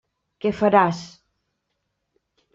Què faràs?